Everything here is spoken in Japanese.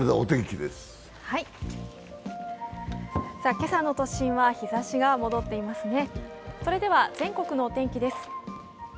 今朝の都心は日ざしが戻っていますね。